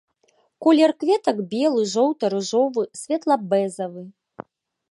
Колер кветак белы, жоўты, ружовы, светла-бэзавы.